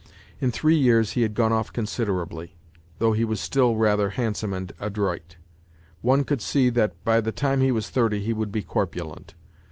In three years he had gone off considerably, though he was still rather handsome and adroit. One could see that by the time he was thirty he would be corpulent.